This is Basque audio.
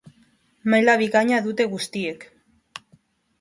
Maila bikaina dute guztiek.